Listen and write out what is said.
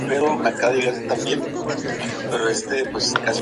Entonces levanta al rival dejándolo caer de espaldas en el ring.